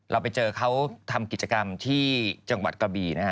เราไปเจอเขาทำกิจกรรมที่จังหวัดกะบีนะฮะ